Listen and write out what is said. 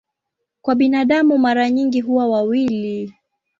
Kwa binadamu mara nyingi huwa wawili.